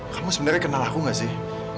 kamu sebenarnya kenal aku gak sih